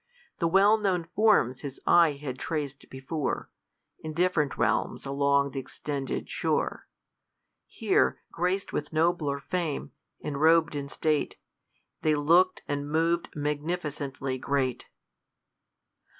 The well knov. n forms his eye had trac'd before, In dift^'rent realms along tli' extended shore ; Here, grac'd with nobler fame, and rob'd in statCj They look'd and mov'd magnificently great.